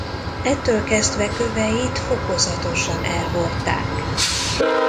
Ettől kezdve köveit fokozatosan elhordták.